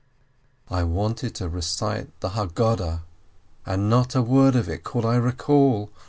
I wanted to recite the Haggadah, and not a word of it could I recall!